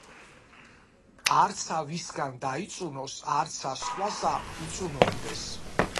არცა ვისგან დაიწუნოს, არცა სხვასა უწუნობდეს.